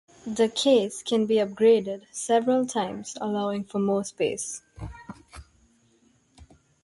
The case can be upgraded several times, allowing for more space.